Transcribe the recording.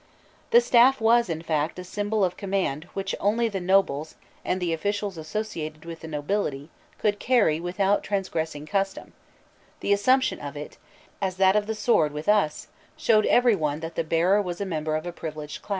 The staff was, in fact, a symbol of command which only the nobles, and the officials associated with the nobility, could carry without transgressing custom; the assumption of it, as that of the sword with us, showed every one that the bearer was a member of a privileged class.